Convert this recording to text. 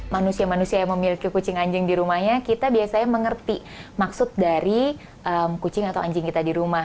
manusia manusia yang memiliki kucing anjing di rumahnya kita biasanya mengerti maksud dari kucing atau anjing kita di rumah